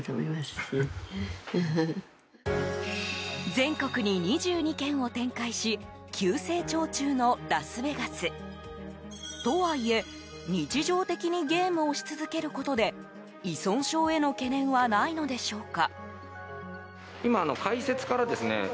全国に２２軒を展開し急成長中のラスベガス。とはいえ日常的にゲームをし続けることで依存症への懸念はないのでしょうか。